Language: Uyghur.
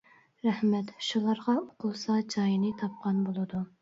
رەھمەت شۇلارغا ئوقۇلسا جايىنى تاپقان بولىدۇ.